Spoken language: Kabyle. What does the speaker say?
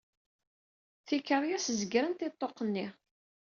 Tikeṛyas zeggrent i ṭṭuq-nni.